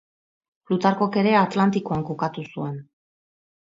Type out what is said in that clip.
Plutarkok ere Atlantikoan kokatu zuen.